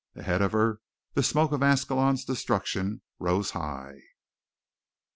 Ahead of her the smoke of Ascalon's destruction rose high.